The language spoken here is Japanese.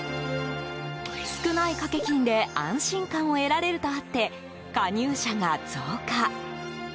少ない掛け金で安心感を得られるとあって加入者が増加。